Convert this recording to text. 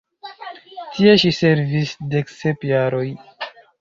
Tie ŝi servis dek sep jaroj.